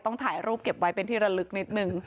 ถ่ายรูปเก็บไว้เป็นที่ระลึกนิดนึง